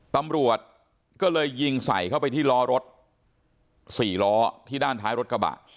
ตำรวจก็เลยยิงใส่เข้าไปที่ล้อรถ๔ล้อที่ด้านท้ายรถกระบะ